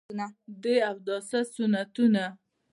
د اوداسه سنتونه: